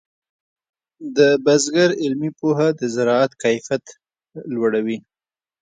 د بزګر علمي پوهه د زراعت کیفیت لوړوي.